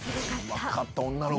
うまかった女の子。